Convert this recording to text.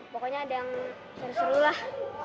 pokoknya ada yang seru seru lah